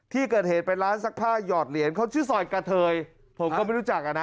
ที่เกิดเหตุเป็นร้านซักผ้าหยอดเหรียญเขาชื่อซอยกะเทยผมก็ไม่รู้จักอ่ะนะ